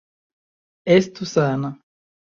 Estu sana!